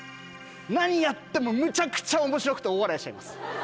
何やってもむちゃくちゃ面白くて大笑いしちゃいます。